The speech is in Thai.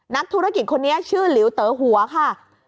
นักธุรกิจคนนี้ชื่อหลิวเต๋อหัวค่ะ